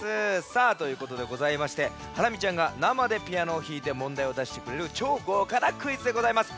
さあということでございましてハラミちゃんがなまでピアノをひいてもんだいをだしてくれるちょうごうかなクイズでございます。